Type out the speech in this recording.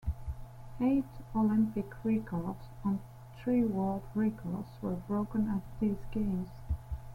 Eight Olympic records and three world records were broken at these games.